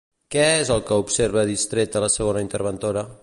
Què és el que observa distreta la segona interventora?